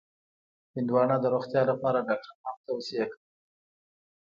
هندوانه د روغتیا لپاره ډاکټر هم توصیه کوي.